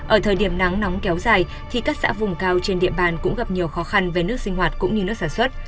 ở thời điểm nắng nóng kéo dài thì các xã vùng cao trên địa bàn cũng gặp nhiều khó khăn về nước sinh hoạt cũng như nước sản xuất